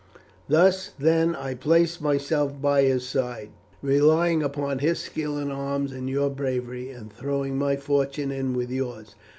"Thus then I placed myself by his side, relying upon his skill in arms and your bravery, and throwing my fortune in with yours.